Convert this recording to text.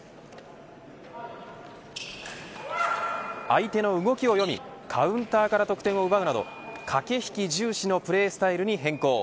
相手の動きを読みカウンターから得点を奪うなど駆け引き重視のプレースタイルに変更。